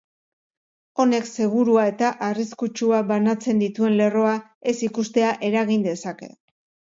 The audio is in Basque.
Honek segurua eta arriskutsua banatzen dituen lerroa ez ikustea eragin dezake.